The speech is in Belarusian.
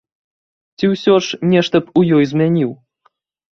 Ці ўсё ж нешта б у ёй змяніў?